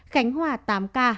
khánh hòa tám ca